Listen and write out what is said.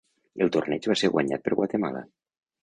El torneig va ser guanyat per Guatemala.